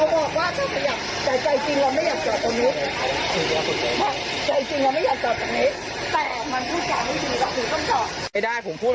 ก็มันก็คือการถุ่มลูก